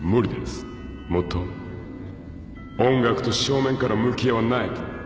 もっと音楽と正面から向き合わないと。